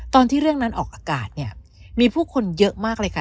ตอนที่เรื่องนั้นออกอากาศเนี่ยมีผู้คนเยอะมากเลยค่ะ